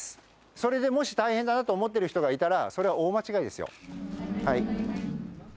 それでもし大変だなと思ってる人がいたら、それは大間違いですよ。